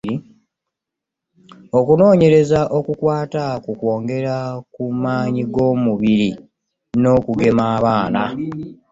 Okunoonyereza okukwata ku Kwongera ku Maanyi g’Omubiri n’Okugema Abaana.